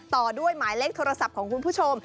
ต่อด้วยหมายเลขโทรศัพท์ของคุณผู้ชม